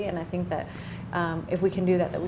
saya pikir kalau kita bisa melakukan itu